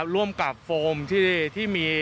ร่วมกับโฟมที่มี